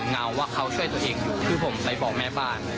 เงาว่าเขาช่วยตัวเองคือผมไปบอกแม่บ้าน